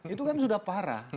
itu kan sudah parah